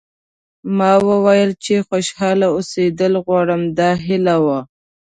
ما وویل چې خوشاله اوسېدل غواړم دا هیله وه.